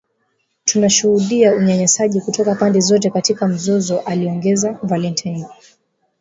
“Tunashuhudia unyanyasaji kutoka pande zote katika mzozo” aliongeza Valentine.